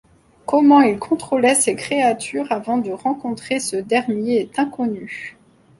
Comment il contrôlait ses créatures avant de rencontrer ce dernier est inconnu.